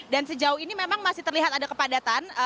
dan sejauh ini memang masih terlihat ada kepadatan